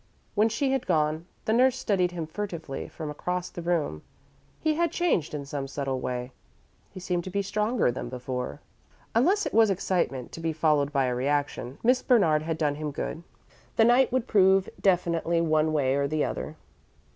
When she had gone, the nurse studied him furtively, from across the room. He had changed in some subtle way he seemed stronger than before. Unless it was excitement, to be followed by a reaction, Miss Bernard had done him good. The night would prove it definitely, one way or the other.